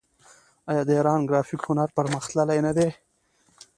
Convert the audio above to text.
آیا د ایران ګرافیک هنر پرمختللی نه دی؟